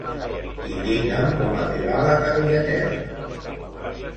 Indica'm com arribar a la Tagliatella.